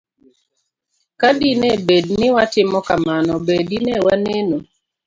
Ka dine bed ni watimo kamano, be dine waneno